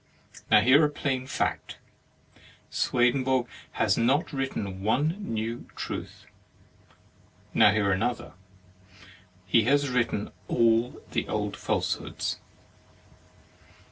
"Now hear a plain fact: Sweden borg has not written one new truth. Now hear another: he has written all the old falsehoods.